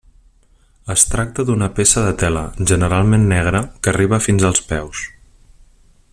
Es tracta d'una peça de tela, generalment negre, que arriba fins als peus.